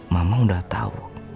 mama udah tau